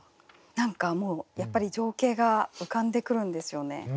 何かもうやっぱり情景が浮かんでくるんですよね。